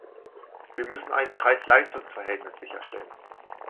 Wir müssen ein "Preis-Leistungs-Verhältnis" sicherstellen.